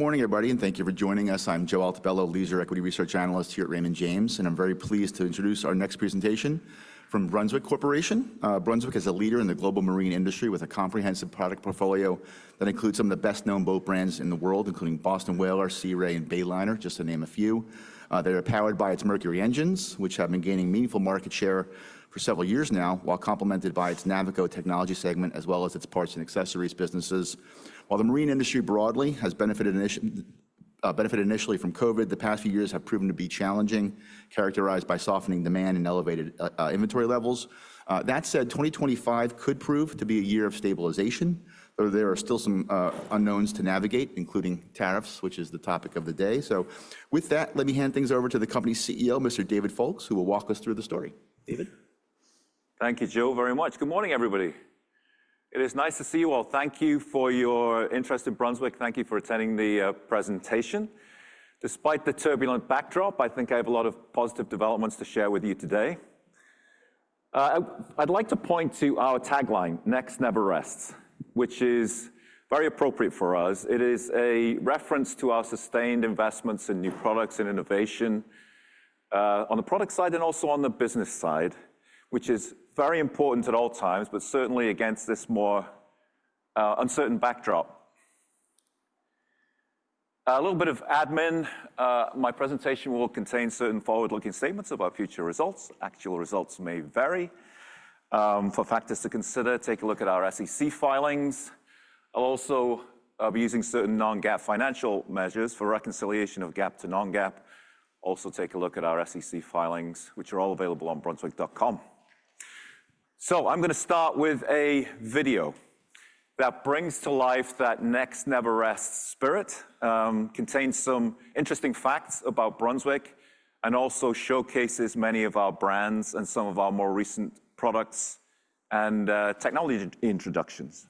Good morning, everybody, and thank you for joining us. I'm Joe Altobello, Leisure Equity Research Analyst here at Raymond James, and I'm very pleased to introduce our next presentation from Brunswick Corporation. Brunswick is a leader in the global marine industry with a comprehensive product portfolio that includes some of the best-known boat brands in the world, including Boston Whaler, Sea Ray, and Bayliner, just to name a few. They're powered by its Mercury engines, which have been gaining meaningful market share for several years now, while complemented by its Navico technology segment, as well as its parts and accessories businesses. While the marine industry broadly has benefited initially from COVID, the past few years have proven to be challenging, characterized by softening demand and elevated inventory levels. That said, 2025 could prove to be a year of stabilization, though there are still some unknowns to navigate, including tariffs, which is the topic of the day. So with that, let me hand things over to the company's CEO, Mr. David Foulkes, who will walk us through the story. David? Thank you, Joe, very much. Good morning, everybody. It is nice to see you all. Thank you for your interest in Brunswick. Thank you for attending the presentation. Despite the turbulent backdrop, I think I have a lot of positive developments to share with you today. I'd like to point to our tagline, "Next Never Rests," which is very appropriate for us. It is a reference to our sustained investments in new products and innovation on the product side and also on the business side, which is very important at all times, but certainly against this more uncertain backdrop. A little bit of admin. My presentation will contain certain forward-looking statements about future results. Actual results may vary. For factors to consider, take a look at our SEC filings. I'll also be using certain non-GAAP financial measures for reconciliation of GAAP to non-GAAP. Also, take a look at our SEC filings, which are all available on Brunswick.com. So I'm going to start with a video that brings to life that "Next Never Rests" spirit, contains some interesting facts about Brunswick, and also showcases many of our brands and some of our more recent products and technology introductions.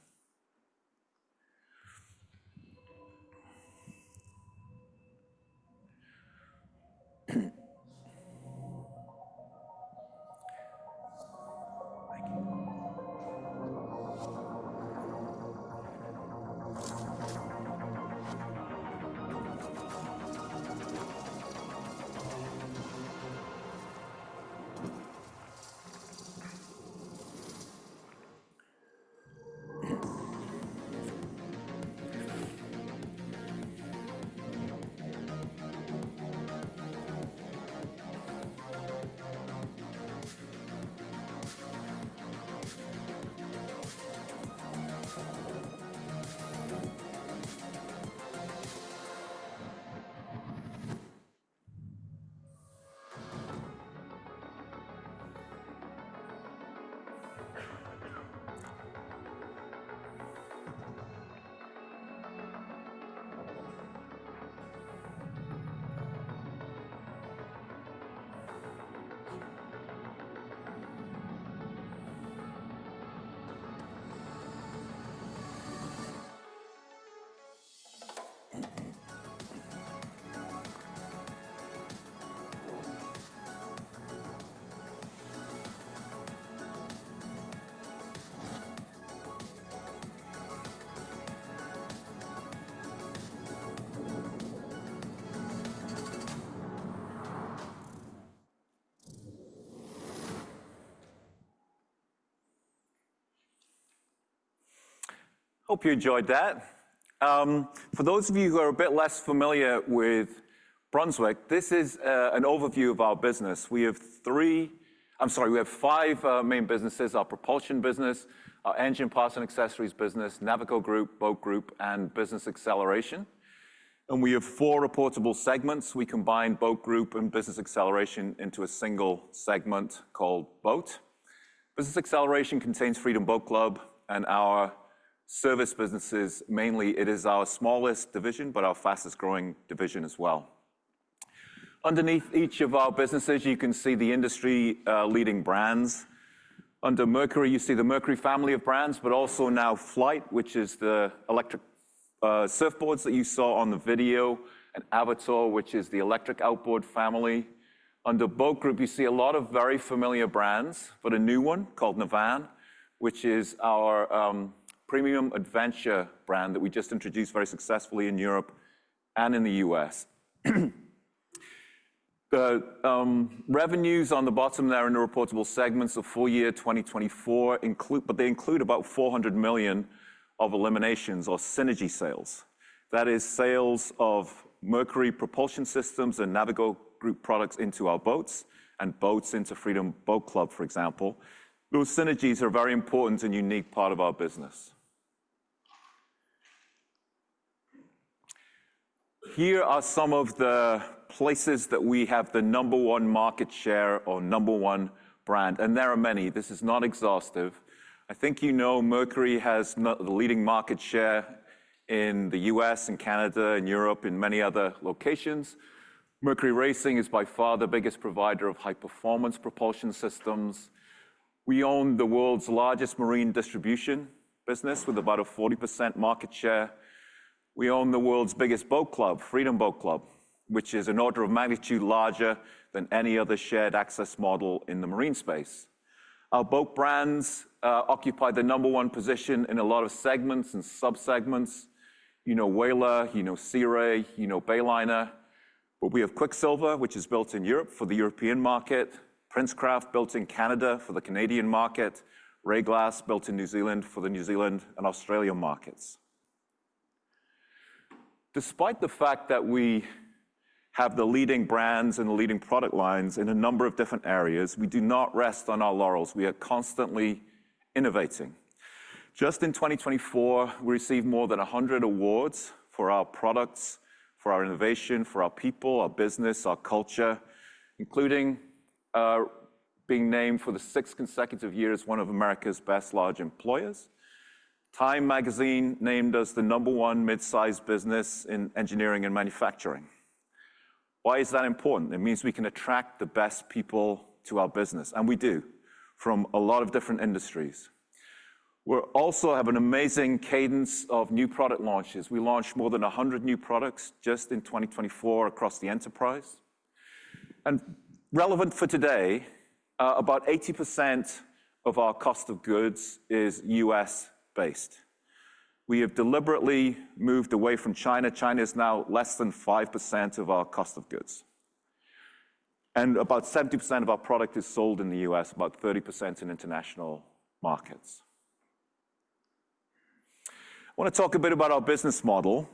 Hope you enjoyed that. For those of you who are a bit less familiar with Brunswick, this is an overview of our business. We have three, I'm sorry, we have five main businesses: our Propulsion business, our Engine Parts & Accessories business, Navico Group, Boat Group, and Business Acceleration. And we have four reportable segments. We combine Boat Group and Business Acceleration into a single segment called Boat. Business Acceleration contains Freedom Boat Club and our service businesses. Mainly, it is our smallest division, but our fastest-growing division as well. Underneath each of our businesses, you can see the industry-leading brands. Under Mercury, you see the Mercury family of brands, but also now Flite, which is the electric surfboards that you saw on the video, and Avator, which is the electric outboard family. Under Boat Group, you see a lot of very familiar brands, but a new one called Navan, which is our premium adventure brand that we just introduced very successfully in Europe and in the U.S. The revenues on the bottom there in the reportable segments of full year 2024, but they include about $400 million of eliminations or synergy sales. That is sales of Mercury Propulsion Systems and Navico Group products into our Boats and Boats into Freedom Boat Club, for example. Those synergies are a very important and unique part of our business. Here are some of the places that we have the number one market share or number one brand, and there are many. This is not exhaustive. I think you know Mercury has the leading market share in the U.S. and Canada and Europe and many other locations. Mercury Racing is by far the biggest provider of high-performance propulsion systems. We own the world's largest marine distribution business with about a 40% market share. We own the world's biggest boat club, Freedom Boat Club, which is an order of magnitude larger than any other shared access model in the marine space. Our boat brands occupy the number one position in a lot of segments and subsegments. You know Whaler, you know Sea Ray, you know Bayliner. We have Quicksilver, which is built in Europe for the European market, Princecraft built in Canada for the Canadian market, Rayglass built in New Zealand for the New Zealand and Australian markets. Despite the fact that we have the leading brands and the leading product lines in a number of different areas, we do not rest on our laurels. We are constantly innovating. Just in 2024, we received more than 100 awards for our products, for our innovation, for our people, our business, our culture, including being named for the sixth consecutive year as one of America's Best Large Employers. Time Magazine named us the number one midsize business in engineering and manufacturing. Why is that important? It means we can attract the best people to our business, and we do from a lot of different industries. We also have an amazing cadence of new product launches. We launched more than 100 new products just in 2024 across the enterprise, and relevant for today, about 80% of our cost of goods is U.S.-based. We have deliberately moved away from China. China is now less than 5% of our cost of goods, and about 70% of our product is sold in the U.S., about 30% in international markets. I want to talk a bit about our business model.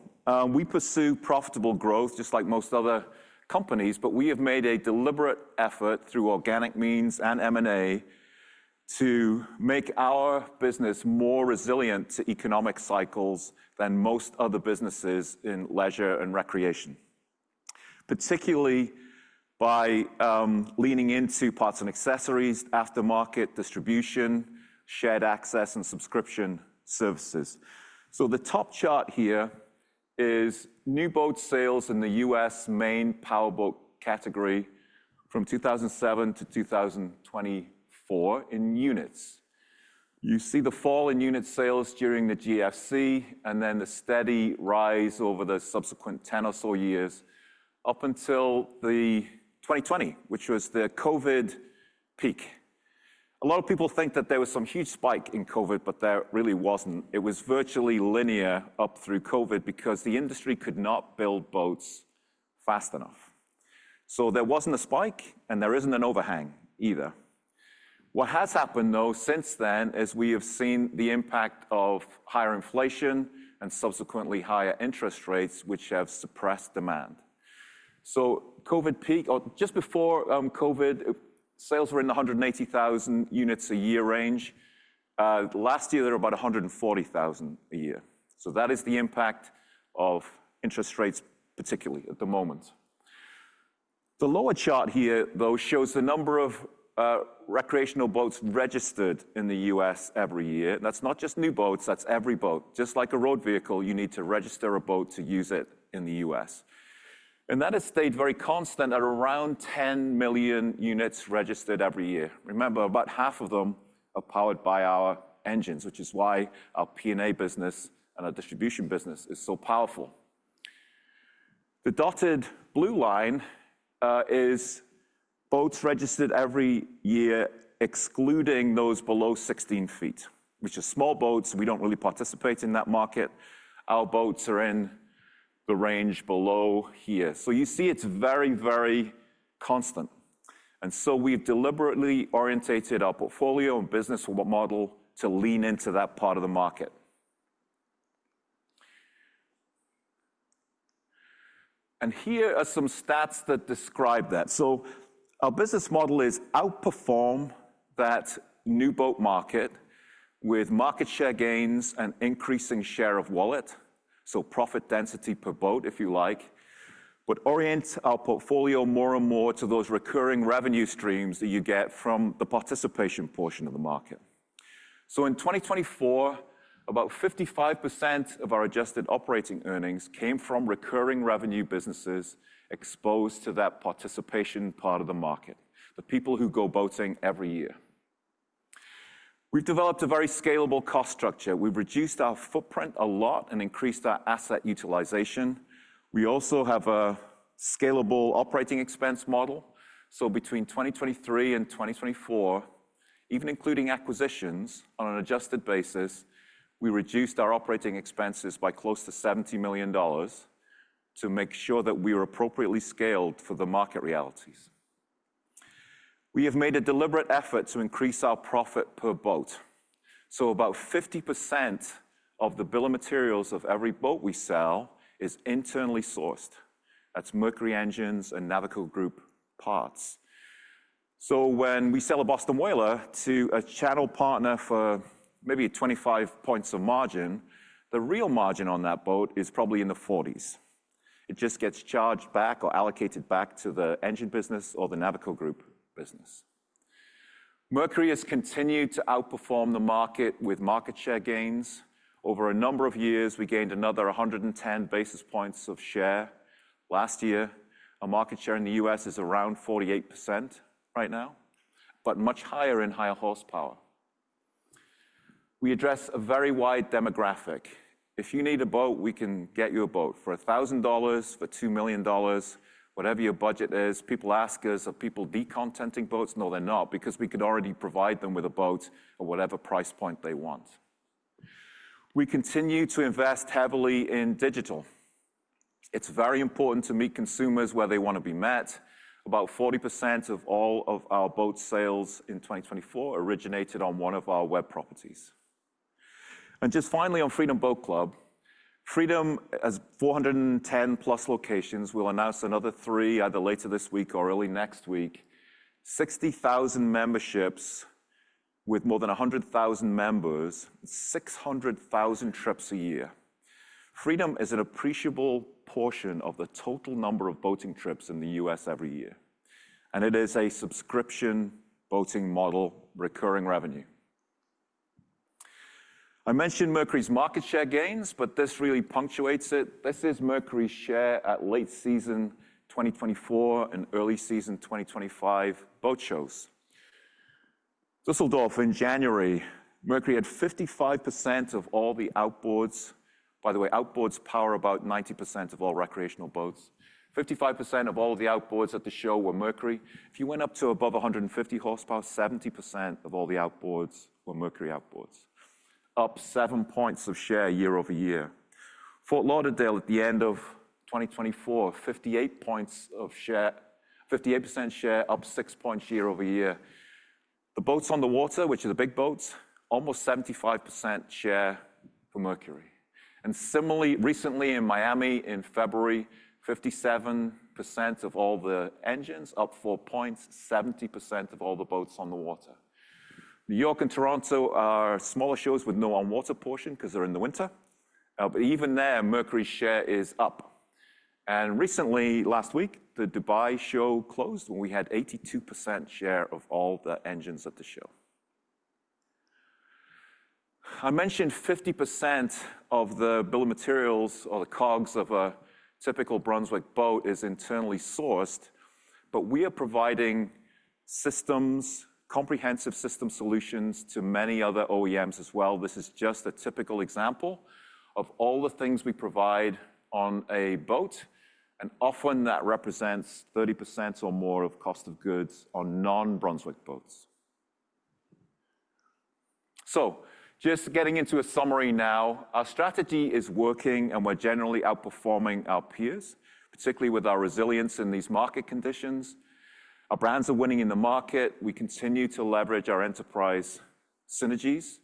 We pursue profitable growth, just like most other companies, but we have made a deliberate effort through organic means and M&A to make our business more resilient to economic cycles than most other businesses in leisure and recreation, particularly by leaning into parts and accessories, aftermarket distribution, shared access, and subscription services, so the top chart here is new boat sales in the U.S. main power boat category from 2007 to 2024 in units. You see the fall in unit sales during the GFC and then the steady rise over the subsequent ten or so years up until 2020, which was the COVID peak. A lot of people think that there was some huge spike in COVID, but there really wasn't. It was virtually linear up through COVID because the industry could not build boats fast enough. So, there wasn't a spike, and there isn't an overhang either. What has happened, though, since then is we have seen the impact of higher inflation and subsequently higher interest rates, which have suppressed demand. So, COVID peak, or just before COVID, sales were in the 180,000 units a year range. Last year, they were about 140,000 a year. So, that is the impact of interest rates, particularly at the moment. The lower chart here, though, shows the number of recreational boats registered in the U.S. every year. That's not just new boats. That's every boat. Just like a road vehicle, you need to register a boat to use it in the U.S. And that has stayed very constant at around 10 million units registered every year. Remember, about half of them are powered by our engines, which is why our P&A business and our distribution business is so powerful. The dotted blue line is boats registered every year, excluding those below 16 feet, which are small boats. We don't really participate in that market. Our boats are in the range below here. So, you see it's very, very constant. And so we've deliberately oriented our portfolio and business model to lean into that part of the market. And here are some stats that describe that. Our business model is outperform that new boat market with market share gains and increasing share of wallet, so profit density per boat, if you like, but orient our portfolio more and more to those recurring revenue streams that you get from the participation portion of the market. In 2024, about 55% of our adjusted operating earnings came from recurring revenue businesses exposed to that participation part of the market, the people who go boating every year. We've developed a very scalable cost structure. We've reduced our footprint a lot and increased our asset utilization. We also have a scalable operating expense model. Between 2023 and 2024, even including acquisitions on an adjusted basis, we reduced our operating expenses by close to $70 million to make sure that we were appropriately scaled for the market realities. We have made a deliberate effort to increase our profit per boat. So about 50% of the bill of materials of every boat we sell is internally sourced. That's Mercury Engines and Navico Group parts. So when we sell a Boston Whaler to a channel partner for maybe 25 points of margin, the real margin on that boat is probably in the 40s. It just gets charged back or allocated back to the engine business or the Navico Group business. Mercury has continued to outperform the market with market share gains. Over a number of years, we gained another 110 basis points of share. Last year, our market share in the U.S. is around 48% right now, but much higher in higher horsepower. We address a very wide demographic. If you need a boat, we can get you a boat for $1,000, for $2 million, whatever your budget is. People ask us, are people decontenting boats? No, they're not, because we could already provide them with a boat at whatever price point they want. We continue to invest heavily in digital. It's very important to meet consumers where they want to be met. About 40% of all of our boat sales in 2024 originated on one of our web properties. And just finally, on Freedom Boat Club, Freedom has 410 plus locations. We'll announce another three either later this week or early next week. 60,000 memberships with more than 100,000 members, 600,000 trips a year. Freedom is an appreciable portion of the total number of boating trips in the U.S. every year. And it is a subscription boating model, recurring revenue. I mentioned Mercury's market share gains, but this really punctuates it. This is Mercury's share at late season 2024 and early season 2025 boat shows. Düsseldorf in January, Mercury had 55% of all the outboards. By the way, outboards power about 90% of all recreational boats. 55% of all the outboards at the show were Mercury. If you went up to above 150 horsepower, 70% of all the outboards were Mercury outboards, up seven points of share year-over-year. Fort Lauderdale at the end of 2024, 58 points of share, 58% share, up six points year-over-year. The boats on the water, which are the big boats, almost 75% share for Mercury. And similarly, recently in Miami in February, 57% of all the engines, up 4 points, 70% of all the boats on the water. New York and Toronto are smaller shows with no on-water portion because they're in the winter. But even there, Mercury's share is up. Recently, last week, the Dubai show closed when we had 82% share of all the engines at the show. I mentioned 50% of the bill of materials or the COGS of a typical Brunswick boat is internally sourced, but we are providing systems, comprehensive system solutions to many other OEMs as well. This is just a typical example of all the things we provide on a boat, and often that represents 30% or more of cost of goods on non-Brunswick boats. Just getting into a summary now, our strategy is working and we're generally outperforming our peers, particularly with our resilience in these market conditions. Our brands are winning in the market. We continue to leverage our enterprise synergies.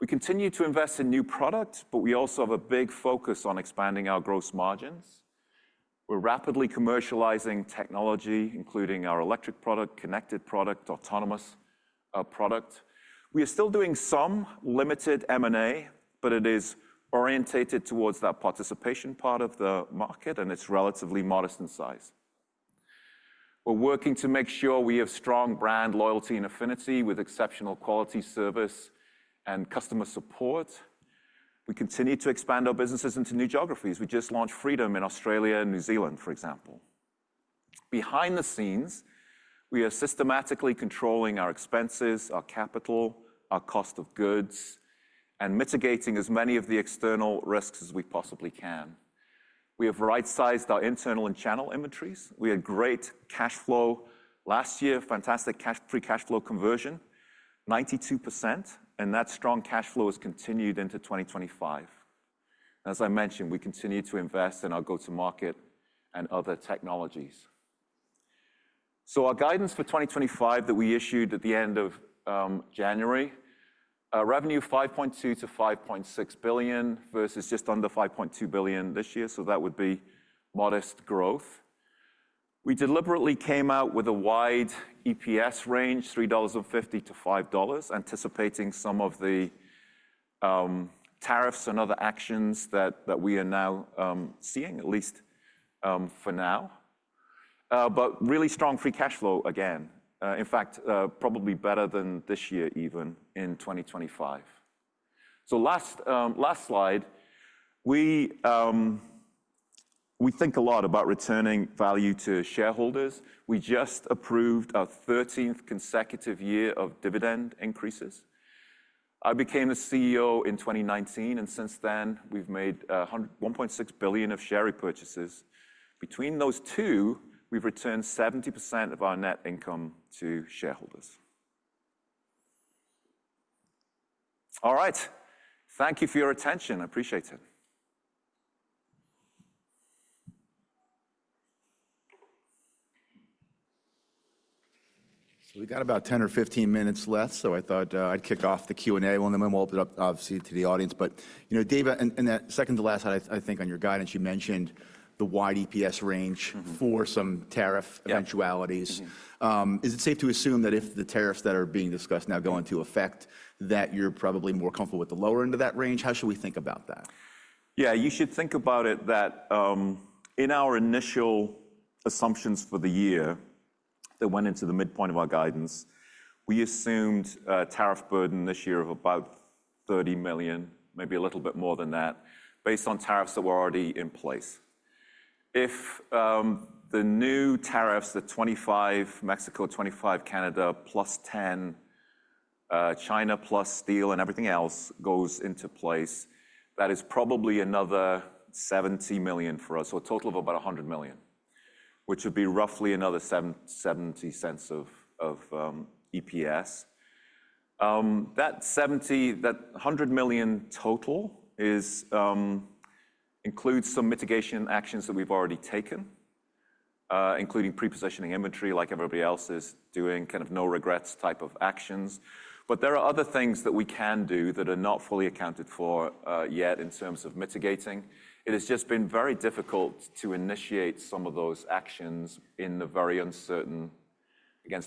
We continue to invest in new products, but we also have a big focus on expanding our gross margins. We're rapidly commercializing technology, including our electric product, connected product, autonomous product. We are still doing some limited M&A, but it is orientated towards that participation part of the market, and it's relatively modest in size. We're working to make sure we have strong brand loyalty and affinity with exceptional quality service and customer support. We continue to expand our businesses into new geographies. We just launched Freedom in Australia and New Zealand, for example. Behind the scenes, we are systematically controlling our expenses, our capital, our cost of goods, and mitigating as many of the external risks as we possibly can. We have right-sized our internal and channel inventories. We had great cash flow last year, fantastic free cash flow conversion, 92%, and that strong cash flow has continued into 2025. As I mentioned, we continue to invest in our go-to-market and other technologies. So, our guidance for 2025 that we issued at the end of January, revenue $5.2 billion to 5.6 billion versus just under $5.2 billion this year, so that would be modest growth. We deliberately came out with a wide EPS range, $3.50 to 5, anticipating some of the tariffs and other actions that we are now seeing, at least for now, but really strong free cash flow again, in fact, probably better than this year even in 2025. So, last slide, we think a lot about returning value to shareholders. We just approved our 13th consecutive year of dividend increases. I became a CEO in 2019, and since then, we've made $1.6 billion of share repurchases. Between those two, we've returned 70% of our net income to shareholders. All right, thank you for your attention. I appreciate it. So we've got about 10 or 15 minutes left, so I thought I'd kick off the Q&A one, and then we'll open it up, obviously, to the audience. But, you know, Dave, in that second to last slide, I think on your guidance, you mentioned the wide EPS range for some tariff eventualities. Is it safe to assume that if the tariffs that are being discussed now go into effect, that you're probably more comfortable with the lower end of that range? How should we think about that? Yeah, you should think about it that in our initial assumptions for the year that went into the midpoint of our guidance, we assumed a tariff burden this year of about $30 million, maybe a little bit more than that, based on tariffs that were already in place. If the new tariffs, the 25% Mexico, 25% Canada, plus 10% China, plus steel and everything else goes into place, that is probably another $70 million for us, so a total of about $100 million, which would be roughly another $0.70 of EPS. That $70, that $100 million total includes some mitigation actions that we've already taken, including pre-positioning inventory, like everybody else is doing, kind of no regrets type of actions. But there are other things that we can do that are not fully accounted for yet in terms of mitigating. It has just been very difficult to initiate some of those actions against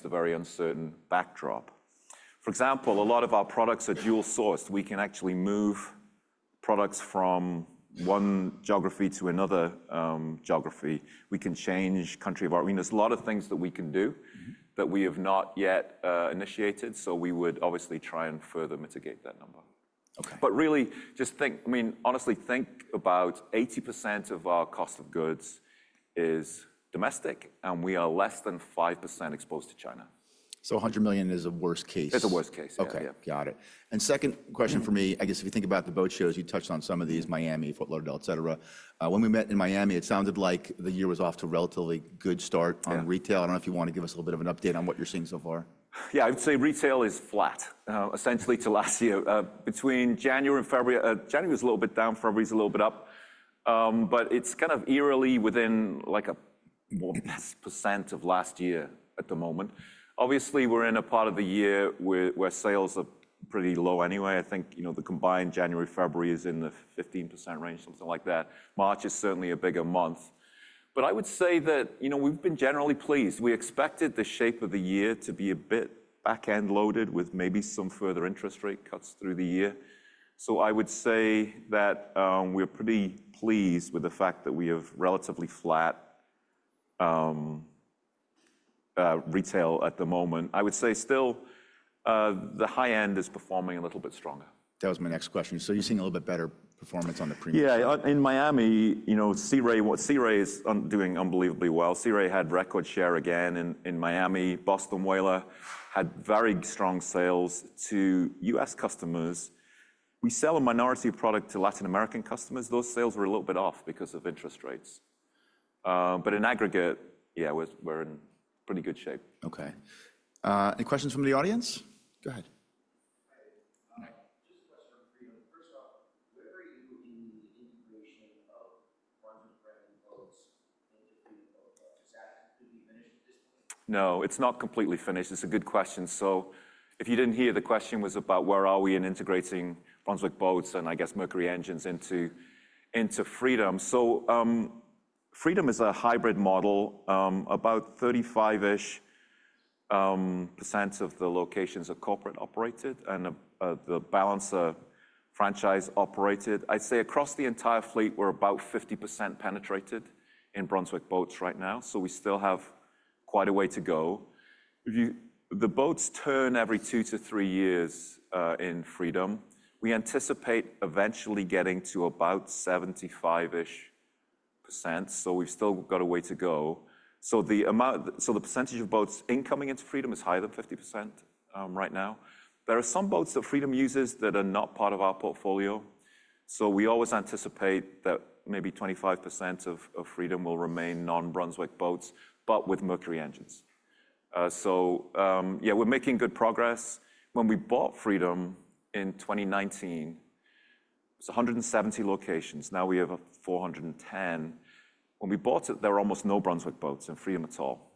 a very uncertain backdrop. For example, a lot of our products are dual-sourced. We can actually move products from one geography to another geography. We can change country of origin. I mean, there's a lot of things that we can do that we have not yet initiated, so we would obviously try and further mitigate that number. But really, just think, I mean, honestly, think about 80% of our cost of goods is domestic, and we are less than 5% exposed to China. So, $100 million is a worst case. It's a worst case. Okay, got it. And second question for me, I guess if you think about the boat shows, you touched on some of these, Miami, Fort Lauderdale, et cetera. When we met in Miami, it sounded like the year was off to a relatively good start on retail. I don't know if you want to give us a little bit of an update on what you're seeing so far. Yeah, I would say retail is flat, essentially, to last year. Between January and February, January was a little bit down, February's a little bit up, but it's kind of eerily within like a more or less percent of last year at the moment. Obviously, we're in a part of the year where sales are pretty low anyway. I think, you know, the combined January, February is in the 15% range, something like that. March is certainly a bigger month. But I would say that, you know, we've been generally pleased. We expected the shape of the year to be a bit back-end loaded with maybe some further interest rate cuts through the year. So, I would say that we're pretty pleased with the fact that we have relatively flat retail at the moment. I would say still the high end is performing a little bit stronger. That was my next question. So, you're seeing a little bit better performance on the premium side. Yeah, in Miami, you know, Sea Ray is doing unbelievably well. Sea Ray had record share again in Miami. Boston Whaler had very strong sales to U.S. customers. We sell a minority of product to Latin American customers. Those sales were a little bit off because of interest rates. But in aggregate, yeah, we're in pretty good shape. Okay. Any questions from the audience? Go ahead. Just a question from Freedom. First off, where are you in the integration of Brunswick brand boats into Freedom Boat Club? Is that completely finished at this point? No, it's not completely finished. It's a good question. So, if you didn't hear, the question was about where are we in integrating Brunswick boats and I guess Mercury engines into Freedom. Freedom is a hybrid model, about 35-ish% of the locations are corporate operated and the balance are franchise operated. I'd say across the entire fleet, we're about 50% penetrated in Brunswick boats right now, so we still have quite a way to go. The boats turn every two to three years in Freedom. We anticipate eventually getting to about 75-ish%, so we've still got a way to go. The percentage of boats incoming into Freedom is higher than 50% right now. There are some boats that Freedom uses that are not part of our portfolio, so we always anticipate that maybe 25% of Freedom will remain non-Brunswick boats, but with Mercury Engines. Yeah, we're making good progress. When we bought Freedom in 2019, it was 170 locations. Now, we have 410. When we bought it, there were almost no Brunswick boats in Freedom at all.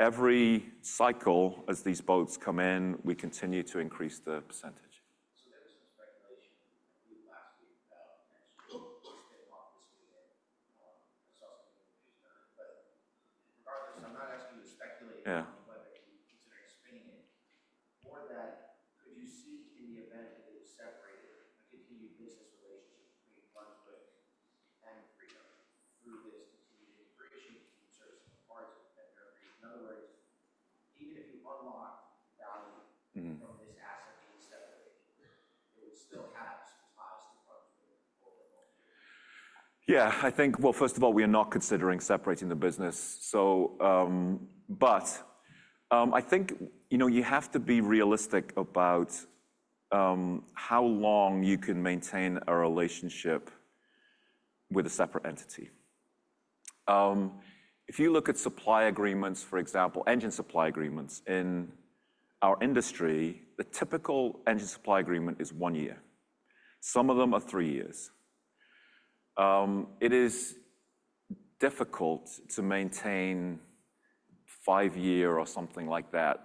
Every cycle, as these boats come in, we continue to increase the percentage. So, there was some speculation last week about next year, which they want this weekend. That's also going to be news tonight. But regardless, I'm not asking you to speculate on whether you consider expanding it or that. Could you see in the event that they were separated a continued business relationship between Brunswick and Freedom through this continued integration in terms of the parts of that? In other words, even if you unlocked value from this asset being separated, it would still have some ties to Brunswick or the company? Yeah, I think, well, first of all, we are not considering separating the business. But I think, you know, you have to be realistic about how long you can maintain a relationship with a separate entity. If you look at supply agreements, for example, engine supply agreements in our industry, the typical engine supply agreement is one year. Some of them are three years. It is difficult to maintain five-year or something like that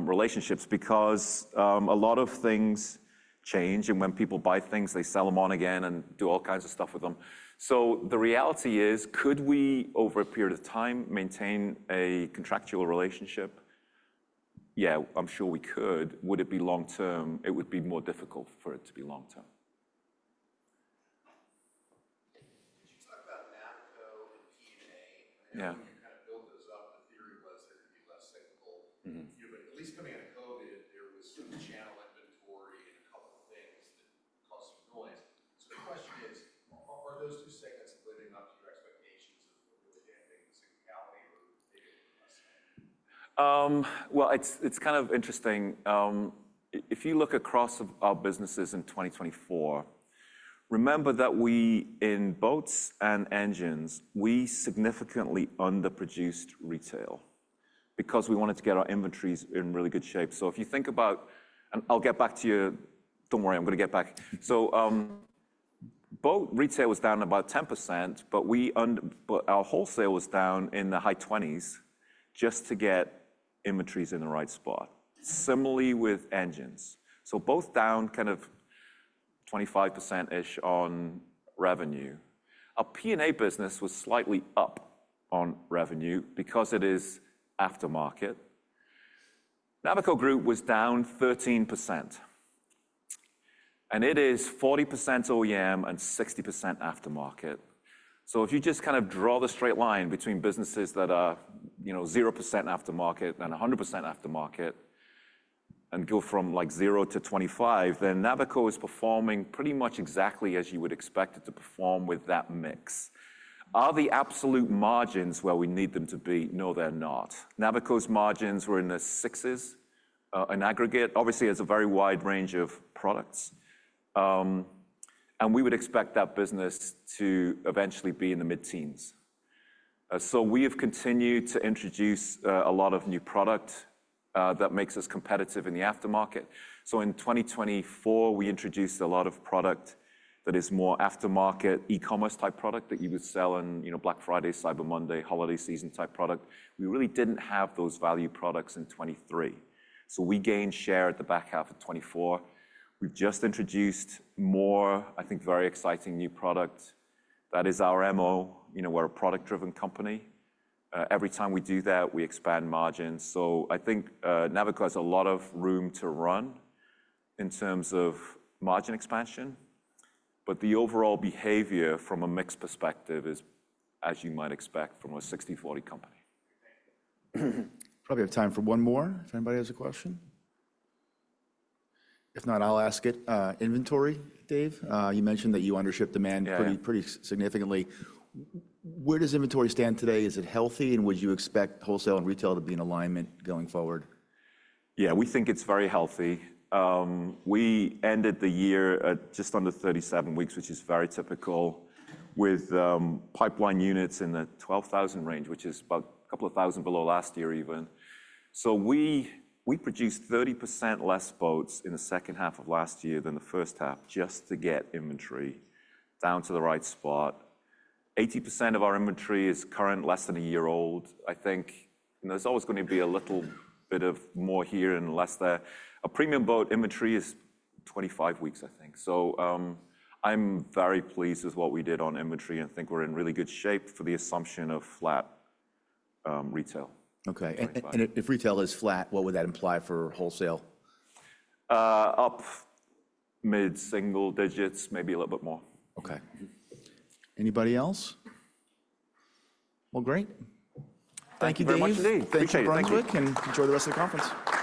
relationships because a lot of things change, and when people buy things, they sell them on again and do all kinds of stuff with them. So, the reality is, could we over a period of time maintain a contractual relationship? Yeah, I'm sure we could. Would it be long-term? It would be more difficult for it to be long-term. Did you talk about Navico and P&A? I know you kind of built those up. The theory was they're going to be less cyclical. But at least coming out of COVID, there was some channel inventory and a couple of things that caused some noise. So, the question is, are those two segments living up to your expectations of really anything in cyclicality or are they a bit less cyclical? Well, it's kind of interesting. If you look across our businesses in 2024, remember that we, in boats and engines, we significantly underproduced retail because we wanted to get our inventories in really good shape. So, if you think about, and I'll get back to you, don't worry, I'm going to get back. So, boat retail was down about 10%, but our wholesale was down in the high 20s just to get inventories in the right spot. Similarly with engines. So, boats down kind of 25%-ish on revenue. Our P&A business was slightly up on revenue because it is aftermarket. Navico Group was down 13%, and it is 40% OEM, and 60% aftermarket. So, if you just kind of draw the straight line between businesses that are 0% aftermarket and 100% aftermarket and go from like 0% to 25%, then Navico is performing pretty much exactly as you would expect it to perform with that mix. Are the absolute margins where we need them to be? No, they're not. Navico's margins were in the 6s in aggregate. Obviously, it's a very wide range of products, and we would expect that business to eventually be in the mid-teens. So, we have continued to introduce a lot of new product that makes us competitive in the aftermarket. So, in 2024, we introduced a lot of product that is more aftermarket, e-commerce type product that you would sell on Black Friday, Cyber Monday, holiday season type product. We really didn't have those value products in 2023. So we gained share at the back half of 2024. We've just introduced more, I think, very exciting new product. That is our MO. We're a product-driven company. Every time we do that, we expand margins. So I think Navico has a lot of room to run in terms of margin expansion, but the overall behavior from a mix perspective is, as you might expect, from a 60/40 company. Probably have time for one more if anybody has a question? If not, I'll ask it. Inventory, Dave, you mentioned that you under-ship demand pretty significantly. Where does inventory stand today? Is it healthy, and would you expect wholesale and retail to be in alignment going forward? Yeah, we think it's very healthy. We ended the year at just under 37 weeks, which is very typical, with pipeline units in the 12,000 range, which is about a couple of thousand below last year even. So, we produced 30% less boats in the second half of last year than the first half just to get inventory down to the right spot. 80% of our inventory is current, less than a year old. I think there's always going to be a little bit of more here and less there. A premium boat inventory is 25 weeks, I think. So, I'm very pleased with what we did on inventory and think we're in really good shape for the assumption of flat retail. Okay. And if retail is flat, what would that imply for wholesale? Up mid-single digits, maybe a little bit more. Okay. Anybody else? Well, great. Thank you very much, Dave. Thank you, Brunswick, and enjoy the rest of the conference.